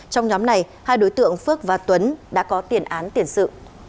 trong nhóm này hai đối tượng phước và tuấn đã có tiền án tiền sự